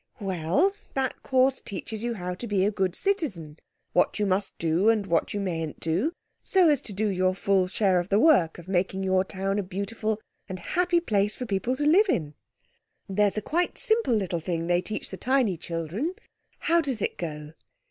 Well, that course teaches you how to be a good citizen, what you must do and what you mayn't do, so as to do your full share of the work of making your town a beautiful and happy place for people to live in. There's a quite simple little thing they teach the tiny children. How does it go...?